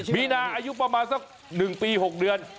มีนาอายุประมาณสัก๑ปี๖เดือน